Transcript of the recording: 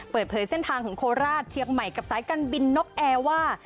เปิดเผยเส้นทางของโคราชเชียงใหม่กับสายการบินนกแอร์ว่า